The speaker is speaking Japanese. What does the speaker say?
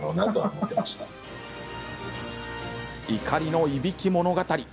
怒りのいびき物語。